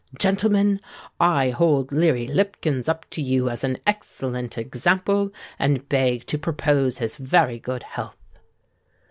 Gentlemen, I hold Leary Lipkins up to you as an excellent example; and beg to propose his very good health."